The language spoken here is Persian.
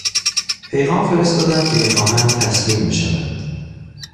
پیغام فرستادند که میخواهند تسلیم بشوند.